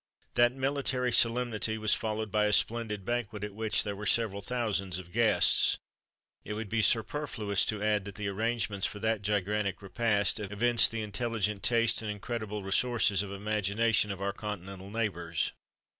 That military solemnity was followed by a splendid banquet, at which there were several thousands of guests. It would be superfluous to add, that the arrangements for that gigantic repast evinced the intelligent taste and incredible resources of imagination of our continental neighbours.